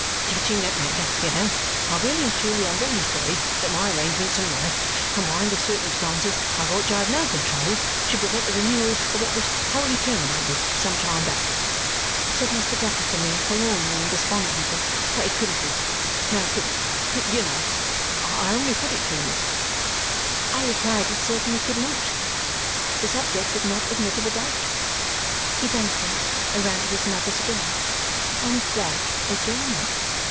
"Touching that matter, you know, I really and truly am very sorry that my arrangements in life, combined with circumstances over which I have no control, should prevent a renewal of what was wholly terminated some time back," said Mr. Guppy to me forlornly and despondently, "but it couldn't be. Now COULD it, you know! I only put it to you." I replied it certainly could not. The subject did not admit of a doubt. He thanked me and ran to his mother's again and back again.